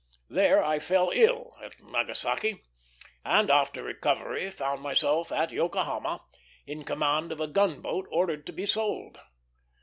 There I fell ill at Nagasaki, and after recovery found myself at Yokohama, in command of a gunboat ordered to be sold.